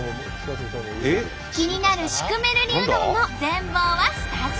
気になるシュクメルリうどんの全貌はスタジオで！